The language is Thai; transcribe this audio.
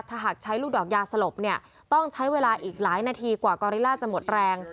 ถ้าหากใช้ลูกดอกยาสลบเนี่ยต้องใช้เวลาอีกหลายนาทีกว่ากอริล่าจะหมดแรง